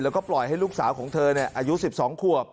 แล้วก็ปล่อยให้ลูกสาวของเธออายุ๑๒ขวบ